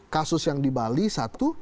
kasus yang di bali satu